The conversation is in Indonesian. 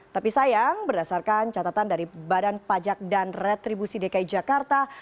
tapi sayang berdasarkan catatan dari badan pajak dan retribusi dki jakarta